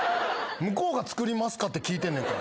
向こうが作りますかって聞いてんねんから。